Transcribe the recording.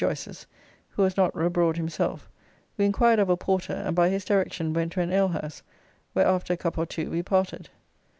Joyce's, who was not abroad himself, we inquired of a porter, and by his direction went to an alehouse, where after a cup or two we parted.